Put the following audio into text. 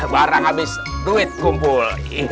barang habis duit kumpul